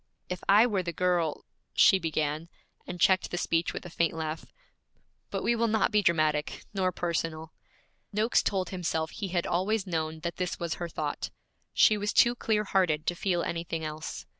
'If I were the girl, ' she began, and checked the speech with a faint laugh. 'But we will not be dramatic, nor personal.' Noakes told himself he had always known that this was her thought; she was too clear hearted to feel anything else.